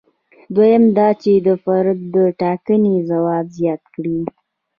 دویم دا چې د فرد د ټاکنې ځواک زیات کړي.